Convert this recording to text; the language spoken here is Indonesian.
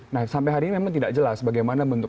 nah sampai hari ini memang tidak jelas bagaimana bentuk